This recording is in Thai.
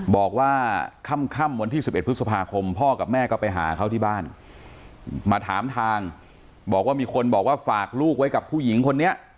บอกว่าค่ำวันที่๑๑พฤษภาคมพ่อกับแม่ก็ไปหาเขาที่บ้านมาถามทางบอกว่ามีคนบอกว่าฝากลูกไว้กับผู้หญิงคนนี้